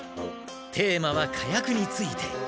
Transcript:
テーマは「火薬について」。